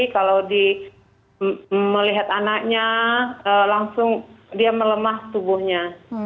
kalau melihat anaknya langsung dia melemah tubuhnya